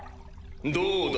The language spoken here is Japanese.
どうだ？